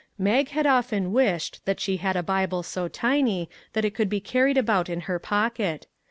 Mag had often wished that she had a Bible so tiny that it could be carried about in her pocket.